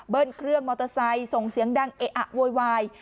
เครื่องมอเตอร์ไซค์ส่งเสียงดังเอะอะโวยวาย